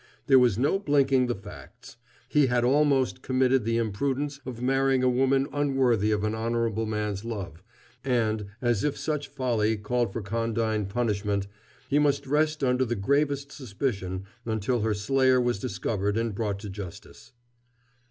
There was no blinking the facts. He had almost committed the imprudence of marrying a woman unworthy of an honorable man's love, and, as if such folly called for condign punishment, he must rest under the gravest suspicion until her slayer was discovered and brought to justice.